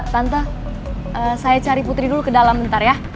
tante saya cari putri dulu ke dalam bentar ya